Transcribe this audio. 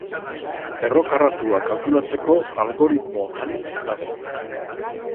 Erro karratua kalkulatzeko algoritmo anitz dago.